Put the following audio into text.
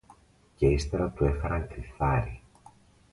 Και ύστερα του έφεραν κριθάρι